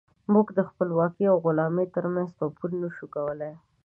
موږ د خپلواکۍ او غلامۍ ترمنځ توپير نشو کولی.